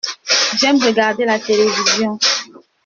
J’aime regarder la télévision.